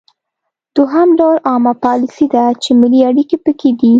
دوهم ډول عامه پالیسي ده چې ملي اړیکې پکې دي